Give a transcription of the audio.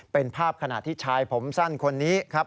เป็นภาพขณะที่ชายผมสั้นคนนี้ครับ